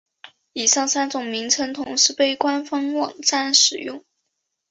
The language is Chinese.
以上三种名称同时被官方网站使用。